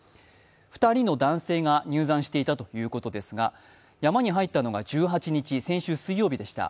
２人の男性が入山していたということですが山に入ったのが１８日、先週水曜日でした。